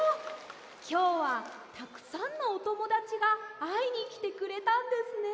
きょうはたくさんのおともだちがあいにきてくれたんですね。